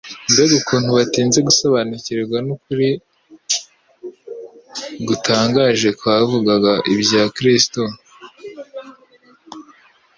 Mbega ukuntu batinze gusobanukirwa n'ukuri gutangaje kwavugaga ibya Kristo!